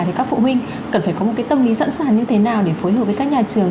thì các phụ huynh cần phải có một cái tâm lý sẵn sàng như thế nào để phối hợp với các nhà trường